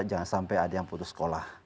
jangan sampai ada yang putus sekolah